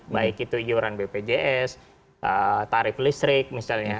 baik itu iuran bpjs tarif listrik misalnya